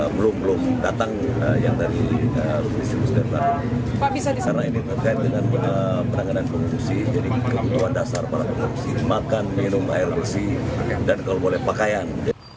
jadi kebutuhan dasar para pengungsi makan minum air erupsi dan kalau boleh pakaian